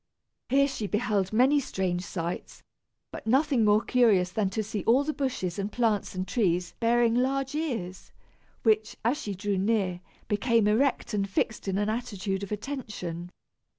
Here she beheld many strange sights, but nothing more curious than to see all the bushes and plants and trees bearing large ears, which, as she drew near, became erect and fixed in an attitude of attention.